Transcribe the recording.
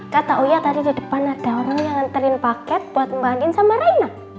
kak tau ya tadi di depan ada orang yang nganterin paket buat mbak andin sama raina